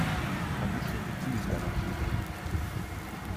Man muss schon gezielt danach suchen.